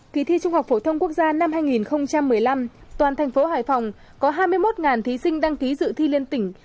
kỳ thi trung học phổ thông quốc gia năm hai nghìn một mươi năm toàn thành phố hải phòng có hai mươi một thí sinh đăng ký dự thi liên tỉnh